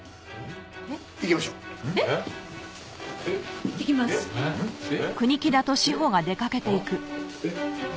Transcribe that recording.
えっ？